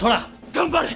頑張れ！